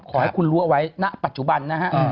ขอให้คุณรู้เอาไว้ณปัจจุบันนะฮะ